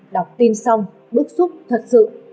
đọc tin xong bức xúc thật sự